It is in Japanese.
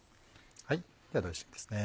ではドレッシングですね。